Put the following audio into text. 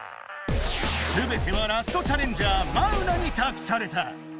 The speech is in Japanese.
すべてはラストチャレンジャーマウナにたくされた！